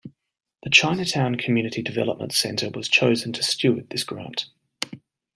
The Chinatown Community Development Center was chosen to steward this grant.